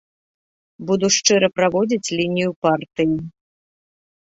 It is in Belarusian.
Буду шчыра праводзіць лінію партыі.